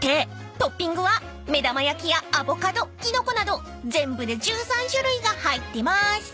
［トッピングは目玉焼きやアボカドキノコなど全部で１３種類が入ってます］